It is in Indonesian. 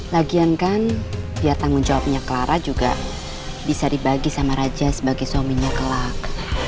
lagian kan ya tanggung jawabnya clara juga bisa dibagi sama raja sebagai suaminya kelak